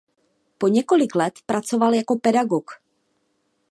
Po několik let pracoval jako pedagog.